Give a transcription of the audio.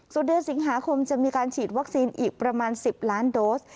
ส่วนเดือนสิงหาคมจะมีการฉีดวัคซีนอีกประมาณ๑๐ล้านโดส